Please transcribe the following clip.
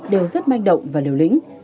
đều rất manh động và liều lĩnh